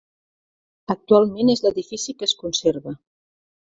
Actualment és l’edifici que es conserva.